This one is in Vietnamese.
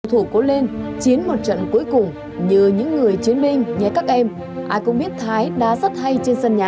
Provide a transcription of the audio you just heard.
hãy đăng ký kênh để ủng hộ kênh của chúng mình nhé